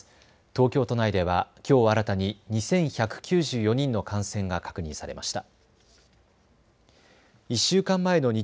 東京都内ではきょう新たに２１９４人の感染が確認されました。